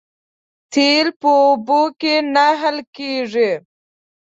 تیل په اوبو کې نه حل کېږي